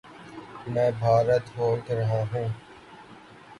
میں بھارت ہوٹ رہا ہوں